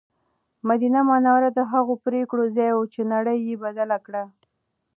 مدینه منوره د هغو پرېکړو ځای و چې نړۍ یې بدله کړه.